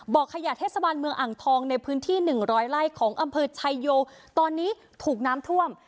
ขยะเทศบาลเมืองอ่างทองในพื้นที่๑๐๐ไร่ของอำเภอชายโยตอนนี้ถูกน้ำท่วม